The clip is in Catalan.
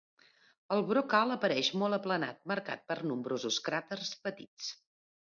El brocal apareix molt aplanat, marcat per nombrosos cràters petits.